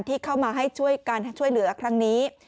ที่เข้ามาให้ช่วยการช่วยเหลือครั้งนี้